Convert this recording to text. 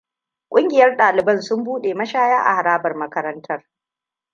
Ƙungiyar ɗaliban sun buɗe mashaya a harabar makarantar.